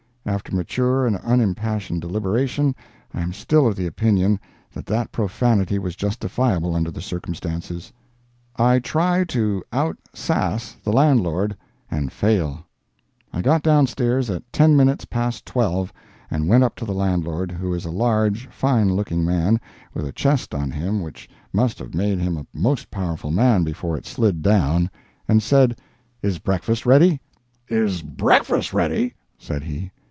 After mature and unimpassioned deliberation, I am still of the opinion that that profanity was justifiable under the circumstances. I TRY TO OUT "SASS" THE LANDLORD—AND FAIL I got down stairs at ten minutes past 12, and went up to the land lord, who is a large, fine looking man, with a chest on him which must have made him a most powerful man before it slid down, and said, "Is breakfast ready?" "Is breakfast ready?" said he.